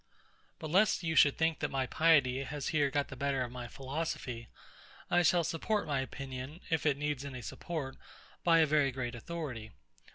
But lest you should think that my piety has here got the better of my philosophy, I shall support my opinion, if it needs any support, by a very great authority.